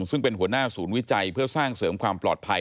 ซึ่งเป็นหัวหน้าศูนย์วิจัยเพื่อสร้างเสริมความปลอดภัย